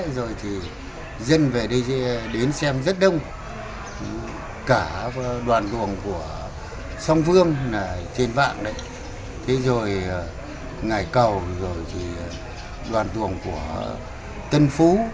rồi thì dân về đây sẽ đến xem rất đông cả đoàn tuồng của sông vương trên vạn ngãi cầu đoàn tuồng của tân phú